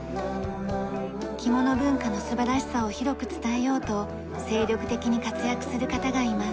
着物文化の素晴らしさを広く伝えようと精力的に活躍する方がいます。